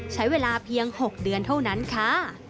ใช้เวลาเพียง๖เดือนเท่านั้นค่ะ